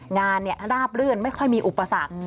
งานราบรื่นไม่ค่อยมีอุปสรรค